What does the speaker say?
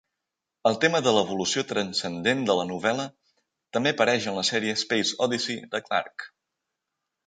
El tema de l'evolució transcendent de la novel·la també apareix en la sèrie "Space Odyssey" de Clarke.